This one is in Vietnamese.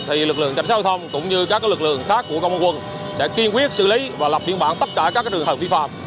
thì lực lượng cảnh sát giao thông cũng như các lực lượng khác của công an quân sẽ kiên quyết xử lý và lập biên bản tất cả các trường hợp vi phạm